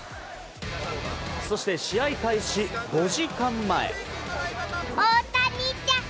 そして試合開始５時間前。